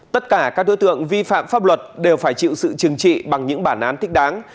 tất cả các đối tượng vi phạm pháp luật đều phải chịu sự trừng trị bằng những bản án thích đáng